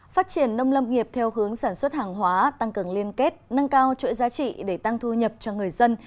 phát triển nông lâm nghiệp theo hướng sản xuất hàng hóa tăng cường liên kết nâng cao chuỗi giá trị để tăng thu nhập cho người dân